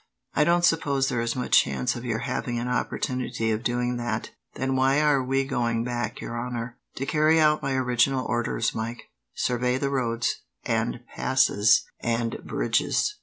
"I don't suppose there is much chance of your having an opportunity of doing that." "Then why are we going back, your honour?" "To carry out my original orders, Mike survey the roads, and passes, and bridges.